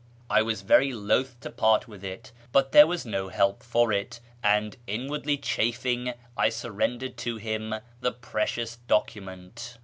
I was very loth to part with it, but there was no help for it ; and, inwardly chafing, I surrendered to him the precious document.